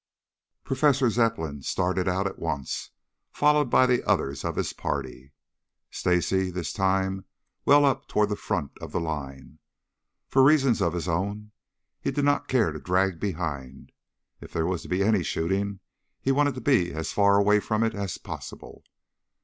Professor Zepplin started out at once, followed by the others of his party, Stacy this time well up toward the front of the line. For reasons of his own he did not care to drag behind. If there was to be any shooting he wanted to be as far away from it as possible.